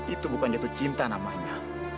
itu bukan jatuh cinta namanya